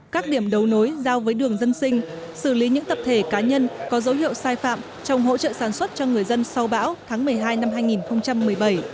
các điểm đấu nối giao với đường dân sinh xử lý những tập thể cá nhân có dấu hiệu sai phạm trong hỗ trợ sản xuất cho người dân sau bão tháng một mươi hai năm hai nghìn một mươi bảy